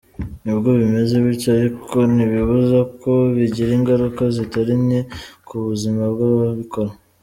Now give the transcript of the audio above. Nubwo bimeze bityo ariko ntibibuza ko bigira ingaruka zitari nke ku buzima bw’ababikora.